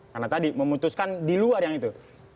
karena tadi memutuskan di luar yang itu